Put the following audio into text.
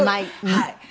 はい。